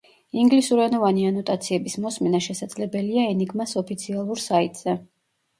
ინგლისურენოვანი ანოტაციების მოსმენა შესაძლებელია ენიგმას ოფიციალურ საიტზე.